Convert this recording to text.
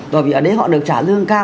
bởi vì ở đấy họ được trả lương cao